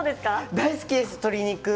大好きです鶏肉。